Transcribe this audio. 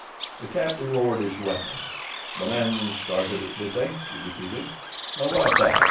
The captain lowered his weapon. "The men started it, did they?" he repeated. "How about that?"